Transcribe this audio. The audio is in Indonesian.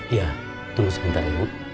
iya tunggu sebentar ibu